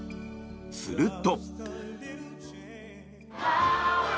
すると。